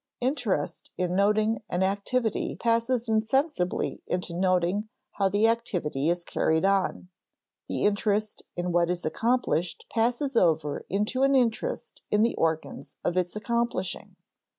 Interest in noting an activity passes insensibly into noting how the activity is carried on; the interest in what is accomplished passes over into an interest in the organs of its accomplishing.